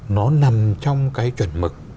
nó nằm trong cái chuẩn mực